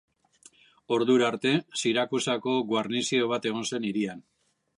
Ordura arte, Sirakusako garnizio bat egon zen hirian.